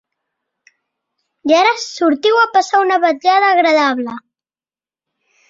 I ara sortiu a passar una vetllada agradable.